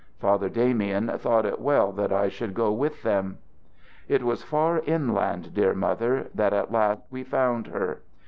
Father Damien thought it well that I should go with them. "It was far inland, dear Mother, that at last we found her.